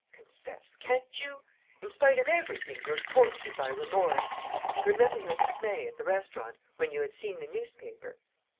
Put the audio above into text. Confess, can't you? In spite of everything, you're tortured by remorse. Remember your dismay, at the restaurant, when you had seen the newspaper.